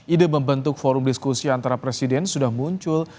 ide membentuk forum diskusi antara presiden sudah muncul